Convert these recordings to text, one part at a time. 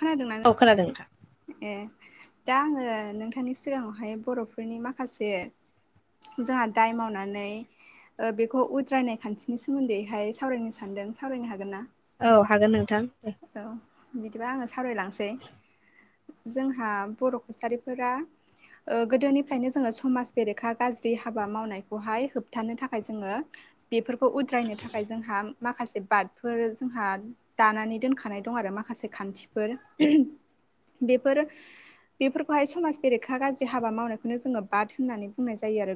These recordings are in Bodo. खोनादोंना औ खोनादों नोंथां। ए दा आङो नोंथांनि सिगाङावहाय बर'फोरनि माखासे जोंहा दाय मावनानै बेखौ उद्रायनाय खान्थिनि सोमोन्दैहाय सावरायनो सान्दों सावरायनो हागोन ना? औ हागोन नोंथां बिखौ आङो सावरायलांसै जोंहा बर' कसारिफोरा गोदोनिफ्रायनो जोङो समाज बेरेखा गाज्रि हाबा मावनायखौहाय होबथानो थाखाय जोङो बेफोरखौ उद्रायनो थाखाय जोंहा माखासे बादफोर जोंहा दानानै दोनखानाय दं आरो माखासे खान्थिफोर बेफोर बेफोरखौहाय समाज बेरेखा गाज्रि हाबा मावनायखौनो जोङो बाद होननानै बुंनाय जायो आरो।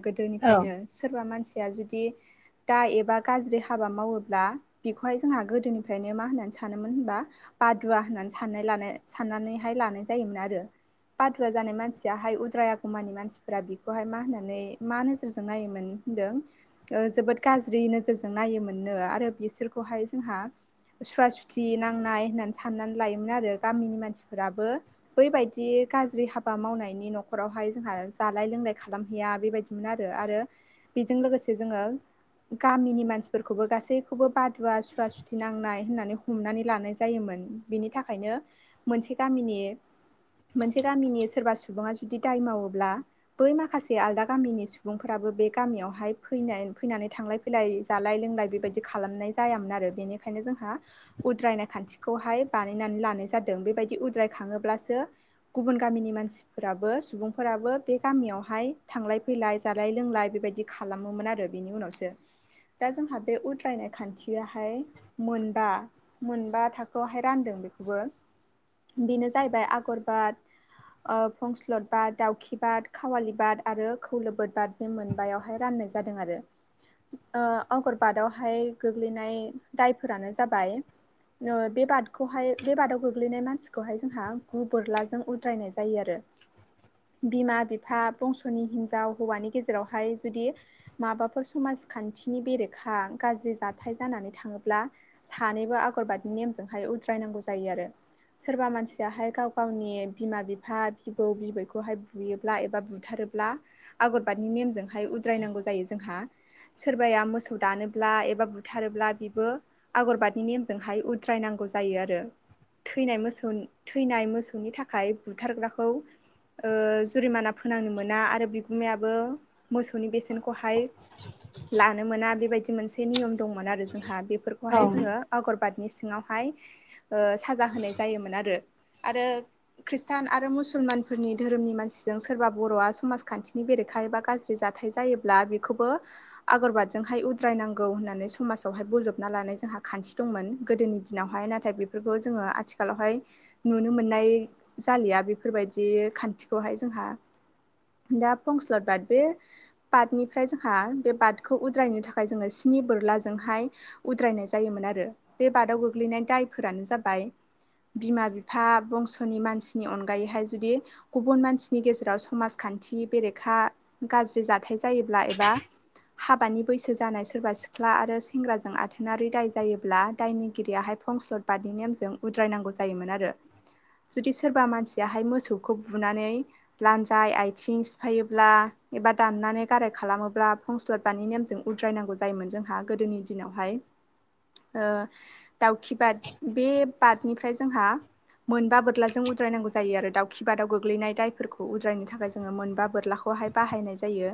औ गोदोनिफ्रायनो सोरबा मानसि आ जुदि दा एबा गाज्रि हाबा मावोब्ला बेखौहाय जोंहा गोदोनिफ्रायनो मा होननानै सानोमोन होनबा बादुवा होननानै सान साननानैहाय लानाय जायोमोन आरो। बादुवा जानाय मानसियाहाय उद्राय आगुमानि मानसिफोरा बेखौहाय मा होननानै मा नोजोरजों नायोमोन? होनदों जोबोद गाज्रि नोजोरजों नायोमोननो आरो बिसोरखौहाय जोंहा सुवा सुथि नांनाय होननानै साननानै लायोमोन आरो गामिनि मानसि फोराबो बैबायदि गाज्रि हाबा मावनायनि न'खरावहाय जोंहा जालाय लोंलाय खालामहैया। बेबायदिमोन आरो बेजों लोगोसे जोङो गामिनि मानसिफोरखौबो गासैखौबो बादुवा सुवा सुथि नांनाय होननानै हमनानै लानाय जायोमोन। बिनि थाखायनो मोनसे गामिनि मोनसे गामिनि सोरबा सुबुङा जुदि दाय मावोब्ला बै माखासे आलदा गामिनि सुबुंफोराबो बे गामियावहाय फैनानै थांलाय फैलाय जालाय लोंलाय बेबायदि खालामनाय जायामोन आरो बेनि खायनो जोंहा उद्रायनाय खान्थिखौहाय बानायनानै लानाय जा दों बेबायदि उद्राय खाङोब्लासो गुबुन गामिनि मानसिफोराबो सुबुंफोराबो बे गामियाव हाय थांलाय फैलाय जालाय लोंलाय बेबायदि खालामोमोन आरो बिनि उनावसो दा जोंहा बे उद्रायनाय खान्थियाहाय मोनबा मोनबा थाखोआवहाय रानदों बेखौबो बेनो जाहैबाय आगरबाद फंस्लद बाद दाउखि बाद खावालि बाद आरो खौलोबोद बाद बे मोनबायावहाय रान नाय जादों आरो अगरबादावहाय गोग्लैनाय दायफोरानो जाबाय बे बादखौहाय बे बादाव गो ग्लैनाय मानसिखौहाय जोंहा गु बोरलाजों उद्रायनाय जायो आरो बिमा बिफा बंस'नि हिनजाव हौवानि गेजेरावहाय जुदि माबाफोर समाज खान्थिनि बेरेखा गाज्रि जाथाय जानानै थाङोब्ला सानैबो आगरबादि नेमजोंहाय उद्रायनांगौ जायो आरो सोरबा मानसियाहाय गाव गावनि बिमा बिफा बिबौ बिबैखौहाय बुयोब्ला एबा बु थारोब्ला आगर बादनि नेमजों उद्रायनांगौ जोंहा सोरबाया मोसौ दानोब्ला एबा बुथारोब्ला बेबो आगरबादनि नेमजोंहाय उद्रायनांगौ जायो आरो थैनाय मोसौ थैनाय मोसौनि थाखाय बुथारग्राखौ ओ जुरिमाना फोनांनो मोना आरो बिगुमायाबो मोसौनि बेसेनखौहाय लानो मोना बेबायदि मोनसे नियम दंमोन आरो जोंहा बे औ फोरखौहाय आगरबादनि सिङावहायव साजा होनाय जोमोन आरो खृषटान आरो मुसलमानफोरनि धोरोमनि मानसिजों सोरबा बर' समाजखान्थिनि बेरेखा एबा गाज्रि जाथाय जायोब्ला बेखौबो आगरबादजोंहाय उद्रायनां गौ होननानै समाजावहाय बजबना लानाय जोंहा खान्थि दंमोन गोदोनि दिनावहाय नाथाय बेफोरखौ जोङो आ थिखालावहाय नुनो मोननाय जालिया बेफोरबायदि खान्थिखौहाय जोंहा दा फंस्लद बाद बे बादनिफ्राय जोंहा बे बादखौ उद्रायनो थाखाय जोङो सि- नि बोरलाजोंहाय उद्रायनाय जायोमोन आरो बे बादाव गोग्लैनाय दायफोरानो जाबाय बिमा बिफा बंस'नि मानसिनि अनगायैहाय जुदि गुबुन मानसिनि गेजेराव समाज- खान्थि बेरेखा गाज्रि जाथाय जायोब्ला एबा हाबानि बैसो जानाय सोरबा सिख्ला आरो सेंग्राजों आथोनारि दाय जायोब्ला दायनिगिरियाहाय फंस्लद बादनि नेमजों उद्रायनांगौ जायोमोन आरो जुदि सोरबा मानसियाहाय मोसौखौ बुनानै लान्जाय आइथिं सिफायोब्ला एबा दान- नानै गाराय खालामोब्ला फंस्लदबानि नेमजों उद्रायनांगौ जायोमोन जोंहा गोदोनि दिनावहाय ओ दाउखि बाद बे बादनिफ्राय जोंहा मोनबा बोरलाजों उद्रायनांगौ जायो आरो दाउखि बादाव गोग्लैनाय दायफोरखौ उद्रायनो थाखाय जोङो मोनबा बोरलाखौ बहाय बाहायनाय जायो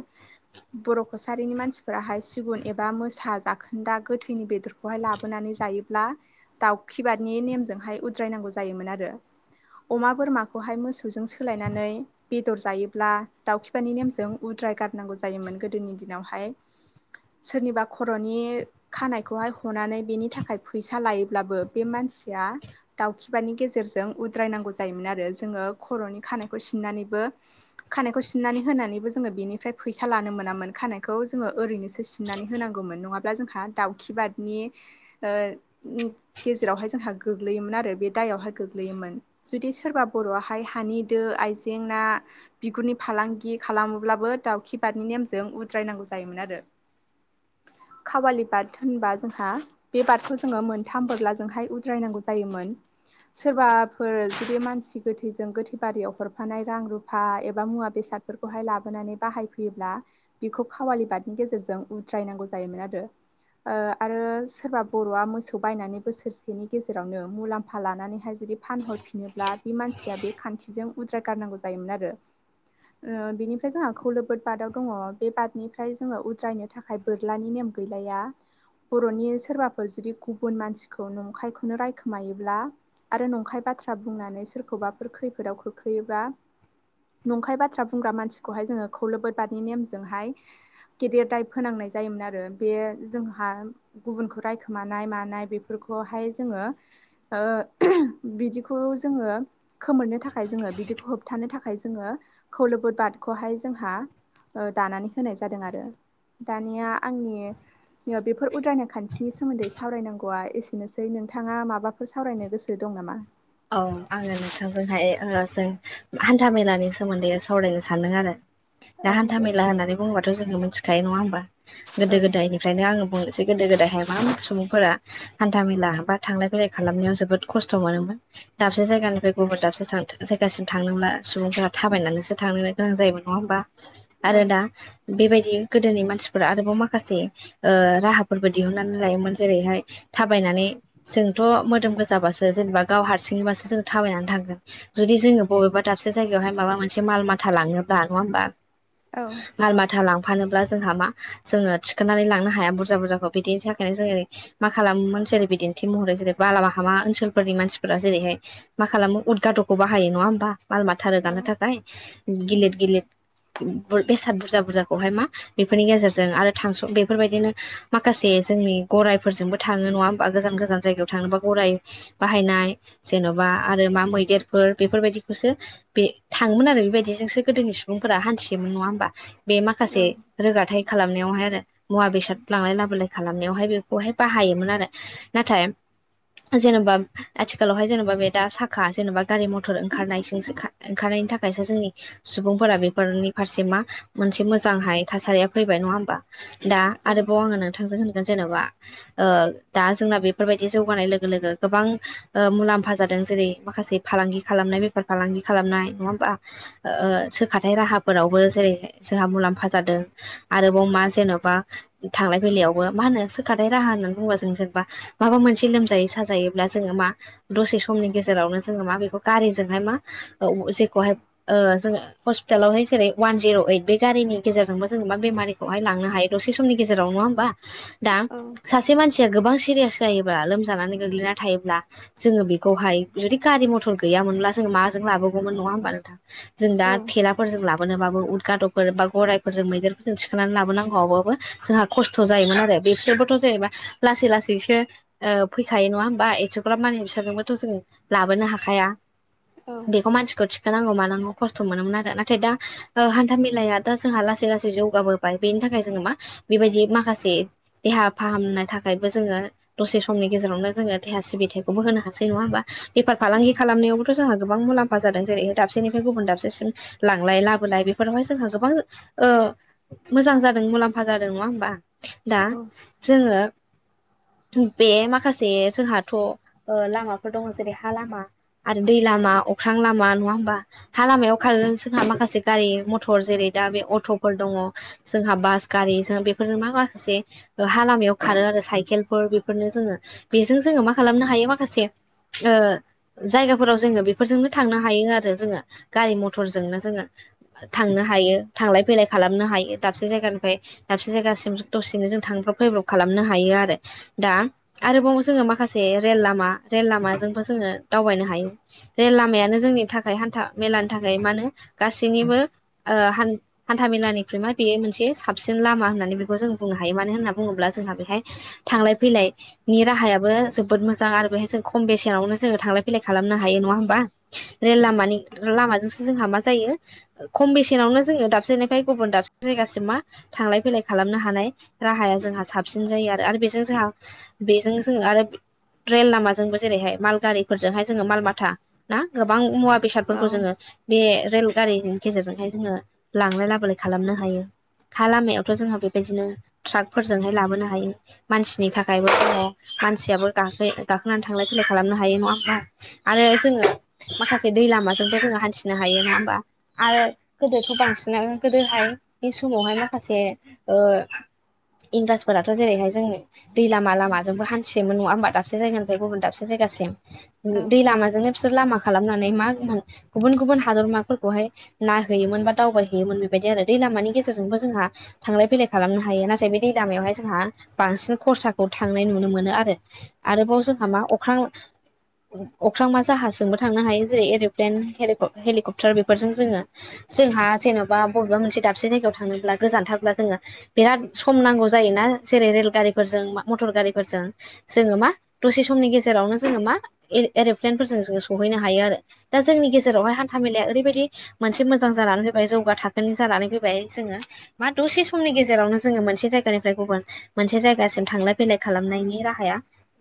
बर' कसारिनि मानसिफोराहाय सिगुन एबा मोसा जाखोन्दा गोथैनि बेदरखौहाय लाबोनानै जायोब्ला दाउखि बादनि नेमजोंहाय उद्रायनांगौ जायोमोन आरो अमा बोरमाखौहाय मोसौजों सोलायनानै बेदर जायोब्ला दाउखिबानि नेमजों उद- राय गारनांगौ जायोमोन गोदोनि दिनावहाय सोरनिबा खर'नि खानायखौहाय हनानै बेनि थाखाय फैसा लायोब्लाबो बे मान- सिया दाउखिबादनि गेजेरजों उद्रायनांगौ जायोमोन आरो जोङो खर'नि खानायखौ सिननानैबो खानायखौ सिननानै होनानैबो जोङो बेनि- फ्राय फैसा लानो मोनामोन खानायखौ जोङो ओरैनोसो सिननानै होनांगौमोन नङाब्ला जोंहा दाउखि बादनि ओ गेजेरावहाय जोंहा गोग्लैयोमोन आरो बे दायावहाय गोग्लैयोमोन जुदि सोरबा बर'आहाय हानि दो आइजें ना- बिगुरनि फालांगि खालामोब्लाबो दाउखि बादनि नेमजों उद्रायनांगौ जायोमोन आरो खावालि बाद होनबा जोंहा बे बादखौ जोङो मोनथाम बोरलाजोंहाय उ रायनांगौ जायोमोन। सोरबाफोर जुदि मानसि गोथैजों गोथै बारियाव हरफानाय रां रुफा एबा मुवा बेसाद- बेसादफोरखौहाय लाबोनानै बाहायफैयोब्ला बेखौ खावालि बादनि गेजेरजों उद्रायनांगौ जायोमोन आरो ओ आरो सोरबा बर'आ मोसौ बायनानै बोसोरसे बिनि गेजेरावनो मुलाम्फा लानानैहाय जुदि फानहरफिनोब्ला बि मानसिया बे खान्थिजों उद्राय गारनां- गौ जायोमोन आरो ओ बिनिफ्राय जोंहा खौलोबोद बादाव दङ बे बादनिफ्राय जोङो उद्रायनो थाखाय बोरलानि नेम गैलाया बर'नि सोरबाफोर जुदि गुबुन मानसिखौ नं- नंखायखौनो रायखोमायोब्ला आरो नंखाय बाथ्रा बुंनानै सोरखौबाफोर खैफोदाव खोख्लैयोबा नंखाय बाथ्रा बुंग्रा मानसिखौहाय जोङो खौलोबोद बादनि नेमजोंहाय गेदेर दाय फोनांनाय जायोमोन आरो बे जोंहा गुबुनखौ रायखोमानाय मानाय बेफोरखौ बेहाय जोङो ओ बिदिखौ जोङो खोमोरनो थाखाय जोङो बिदिखौ होबथानो थाखाय जोङो खौलोबोद बादखौहाय जोंहा ओ दानानै होनाय जादों आरो दानिया आंनि बेफोर उद्रायनाय खान्थिनि सोमोन्दै सावरायनांगौआ एसेनो- सै नोंथाङा माबाफोर सावरायनो गोसो दं नामा? औ आङो नोंथांजोंहाय ओ जों हान्था मेलानि सोमोन्दै सावरायनो सान्दों आरो दा औ हान्था दे मेला होननानै बुंयोबाथ' जोङो मोनथिखायो नङा होमबा औ गोदो गोदायनिफ्रायनो आंओ बुंनोसै गोदो गोदायहाय मा मा सुबुंफोरा हान्था मेला बा थांलाय फैलाय खालामनायाव जोबोद खस्थ' मोनोमोन दाबसे जायगानिफ्राय गुबुन दाबसे जायगासिम थांनोब्ला सुबुंफोरा थाबायनानैसो थांनोनो गोनां जायोमोन नङा होमबा औ आरो दा बेबाय- दि गोदोनि मानसिफोरा आरोबाव माखासे ओ राहाफोरबो दिहुननानै लायोमोन जेरैहाय थाबाय- नानै जोंथ' मोदोम गोजाबासो जेन'बा गाव हारसिंयैबासो जों थाबायनानै थांगोन जुदि जोंओ बबेबा दाबसे जायगायावहाय माबा मोनसे माल माथा लांओ दा नङा होमबा औ माल माथा लां फानोब्ला जोंहा मा जोङो थिखोनानै लांनो हाया बुरजा बुरजाखौ बिदिनि थाखायनो जोंङो मा खालामोमोन। जेरै बिदिन्थि महरै जेरै बालामा हामा ओनसोलफोरनि मानसि फोरा जेरैहाय मा खालामो उद गाद'खौ बाहायो नङा होमबा माल माथा रोगानो थाखाय। गिलिद गिलिद। बेसाद बुरजा बुरजाखौहाय मा बेफोरनि गेजेरजों आरो थांस' बेफोरबायदिनो माखासे। जोंनि गराइफोरजोंबो थाङो नङा होमबा गोजान गोजान जायगायाव थांनोबा गराइ बाहायनाय। जेन'बा आरो मा मैदेरफोर बेफोरबायदिखौसो बे थांयोमोन आरो बेबायदिजोंसो गोदोनि सु। सुबुंफोरा हान्थियोमोन नङा होमबा बे औ माखासे रोगाथाय। खालामनायावहाय आरो मुवा बेसाद लांलाय लाबोलाय खालामनायावहाय बेखौहाय बाहायोमोन आरो नाथाय। जेन'बा आथिख। आथिखालावहाय जेनेबा बे दा साखा जेनेबा गारि मथर ओंखारनायजोंसो ओंखारनायनि थाखायसो जोंनि सुबुं। फोरा बेफोरनि फारसे मा मोनसे मोजांहाय थासारिया फैबाय नंआ होमबा। दा औ आरोबाव आंयो नोंथांजों होनगा जेन'बा ओ दा जोंना बेफोरबायदि जौगानाय लोगो लोगो गोबां। ओ मुलाम्फा जादों जेरै माखासे फालांगि खालामनाय बेफार फालांगि खालामनाय नङा होमबा ओ ओ। सोखाथाय राहाफोरावबो जेरै जोंहा मुलाम्फा जादों आरोबाव मा जेन'बा धा थांलाय फैलायावबो मा होनो सोखाथाय राहा होननानै बुंयोबा जों जेनबा माबा मोनसे लोमजायो साजायोब्ला जोङो मा। दसे समनि गेजेरावनो जोंयो मा बेखौ गारिजोंहाय मा जेखौहाय जोंयो। हस्पिटालावहाय जेरै अवान जिर' ओइट बे गारिनि गेजेरजोंबो जोंयो मा बेमारिखौहाय लांनो हायो दसे समनि गेजेरावनो। नंआ होमबा दा औ सासे मानसिया गोबां सिरियास जायोबा लोमजानानै गोग्लैना थायोब्ला। जोंयो बेखौहाय जुदि गारि मथर गैयामोनब्ला जों माजों लाबोगौमोन नंआ होमबा नोंथां। जों दा थेलाफोरजों लाब। लाबोनोबाबो उद गाद'फोर बा गराइफोरजों मैदेरफोरजों थिखोनानै लाबोनांगौबाबो जोंहा खस्थ' जायोमोन आरो। बिसोरबोथ' जेन'बा लासै लासैसो ओ फैखायो नंआ होमबा एथ'ग्राब मानि बि। बिसोंरजोंबोथ' जोङो लाबोनो हाखाया बेखौ मानसिखौ थि नांगौ मानांगौ खस्थ' मोनोमोन आरो नाथाय दा हान्थामेलाया दा जोंहा लासै लासै जौगाबोबाय बे थाखाय जोङो मा बेबायदि माखासे देहा फाहामनो थाखायबो जोङो दसे समनि गेजेरावनो जोंङो देहा सिबिथायखौ होनो हासै नङा होमबा बेफार फालांगि खालामनायावबोथ' जों गोबां मुलाम्फा जादों जेरैहाय दाबसेनिफ्राय गुबुन दाबसेसिम लांलाय लाबोलाय बेफोरावहाय जोंहा गोबां ओ मोजां जादों मुलाम्फा जादों नङा होमबा दा जोङो बे माखासे जोंहाथ' ओ लामाफोर दङ जेरै हा लामा आरो दै लामा अख्रां लामा नङा होमबा हा लामायाव खार जोंहा माखासे गारि मथर जेरै दा बे अट'फोर दङ जोंहा बास गारि जों बेफोर मा माखासे हा लामायाव खारो आरो साइकेलफोर बेफोरनो जोङो बेजों जोङो मा खालामनो हायो माखासे थासे ओ। जायगाफोराव जोङो बेफोरजोंनो थांनो हायो आरो जोङो गारि मथरजोंनो जोङो थांनो हायो थांलाय फैलाय खालामनो हायो दाबसे जायगानिफ्राय दाबसे जायगासिम दसेनो जों थांब्रब फैब्रब खालाम खालामनो हायो आरो दा आरोबाव जोङो माखासे रेल लामा रेल लामाजोंबो जोङो दावबायनो हायो रेल लामायानो जोंनि थाखाय हान्था मेलानि थाखाय मा होनो गासैनिबो ओ हान-हान्थामेलानिख्रुइ मा बेयो मोनसे साबसिन लामा होननानै बेखौ जों नो हायो मानो होननानै बुङोब्ला जोंहा बेहाय थांलाय फैलाययनि राहायाबो जोबोद मोजां आरो बेहाय जों खम बेसेनावनो जोङो थांलाय फैलाय खालामनो हायो नङा होमबा? रेल लामानि लामाजोंसो जोंहा मा जायो खम बेसेनावनो जोङो दाबसेनिफ्राय गुबुन दाबसे जायगासिम मा थांलाय फैलाय खालामनो हानाय राहाया जोंहा साबसिन जायो आरो बेजों जों बेजों जों आरो रेल लामाज जोंबो जेरैहाय माल गारिफोरजोंहाय जेरै माल माथा ओम गोबां मुवा बेसादफोरखौ जोङो बे रेल गारिनि गेजेरजोंहाय जोङो लांलाय लाबोलाय खालामनो हायो। हा लामायावथ' जोंहा बेबायदिनो ट्राकफोरजोंहाय लाबोनो हायो मानसिनि थाखायबो जोङो मानसियाबो गांखो गाख नों थांलाय फैलाय खालामनो हायो नङा होमबा? आरो जोङो माखासे दै लामाजोंबो जोङो हान्थिनो हायो। नङा हमबा? आरो गोदोथ' बांसिनानो गोदोहाय बे समावहाय माखासे ओ इंराजफोराथ' जेरैहाय जोंनि दै लामा लामाजोंबो हान्थियोमोन नङा होमबा दाबसे जायगानि गुबुन दाबसे जायगासिम दै लामाजोंनो बिसोर लामा खालामनानै मा गुबुन गुबुन हादरमाफोरखौहाय नायहैयोमोन बा दावबायहैयोमोन बेबायदि आरो दै ला लामानि गेजेरजोंबो जोंहा थांलाय फैलाय खालामनो हायो नाथाय बे दै लामायावहाय जोंहा बांसिन खरसाखौ नाय नुनो मोनो आरो आरोबाव जोंहा मा अख्रां अख्रां मा जाहाजजोंबो थांनो हायो जेरै एर'प्लेन हेलिकप्टार बेफोरजों जोङो जायहा जेन'बा बबेबा मोनसे दाबसे जायगायाव थानोब्ला गोजानथारब्ला जोङो बिराद सम नांगौ जायोना। जेरै रेल गारिफोरजों मथर गारिफोरजों जोङो मा दसे समनि गेजेरावनो जोङो मा एर'प्लेनफोरजों जों सहैनो हायो आरो दा जोंनि गेजेरावहाय हान्था मेलाया ओरैबायदि मोनसे मोजां जानानै फैबाय जौगा थाखोनि जानानै फैबाय जोङो मा दसे समनि गेजेराव गेजेरावनो जोङो मोनसे जायगानिफ्राय गुबुन मोनसे जायगासिम थांलाय फैलाय खालामनायनि राहाया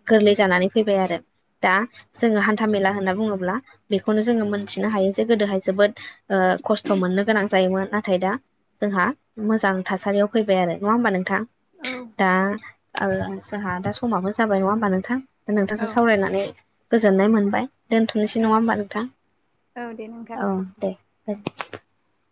गोरलै जानानै फैबाय आरो दा जोङो हान्थाामेला होनना बुङोब्ला बेखौनो जोङो मोनथिनो हायो जे गोदोहाय जोबोद खस्थ' मोननो गोनां जायोमोन नाथाय दा जोंहा मोजां थासारियाव फैबाय आरो नङा होमबा नोंथां? दा जोंहा दा समाबो जाबाय नङा होमबा नोंथां। नोंथांजों औ सावरायनानै गोजोननाय मोनबाय। दोन्थ'नोसै औ नङा होमबा नोंथां औ दे नोंथां औ दे।